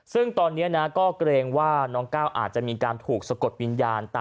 ซึ่งตอนนี้นะก็เกรงว่าน้องก้าวอาจจะมีการถูกสะกดวิญญาณ